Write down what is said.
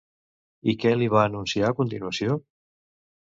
I què li va anunciar a continuació?